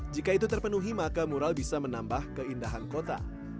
jika itu terpenuhi maka mural bisa menambah keindahan kota